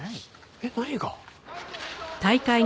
えっ？何が？